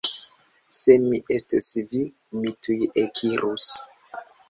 Se mi estus vi, mi tuj ekirus.